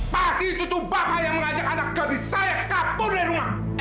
kau sudah kabur dari rumah